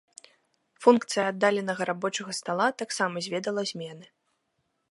Функцыя аддаленага рабочага стала таксама зведала змены.